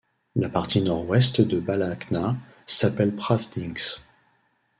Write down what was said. La partie nord-ouest de Balakhna s'appelle Pravdinsk.